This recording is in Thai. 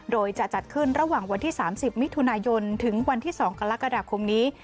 โดยจะจัดขึ้นระหว่างวันที่๓๐มิถุนายนถึงวันที่๒กรกฎาคมนี้